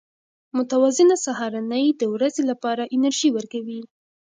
متوازنه سهارنۍ د ورځې لپاره انرژي ورکوي.